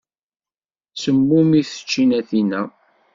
Semmumit tčinatin-a.